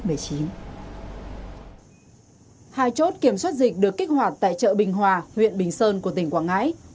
hai chốt kiểm soát dịch được kích hoạt tại chợ bình hòa huyện bình sơn của tỉnh quảng ngãi